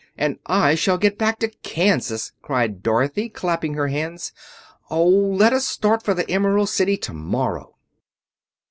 "And I shall get back to Kansas," cried Dorothy, clapping her hands. "Oh, let us start for the Emerald City tomorrow!"